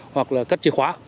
hoặc là cắt chìa khóa